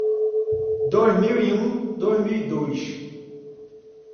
Dois mil e um, dois mil e dois